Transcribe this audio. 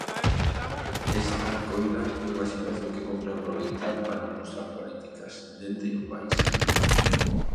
Esta, coida, é unha situación que cómpre "aproveitar" para "impulsar políticas" dende o país.